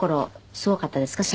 すごかったです。